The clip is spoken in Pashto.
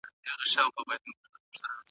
پدې شرط چي خاوند راضي وي.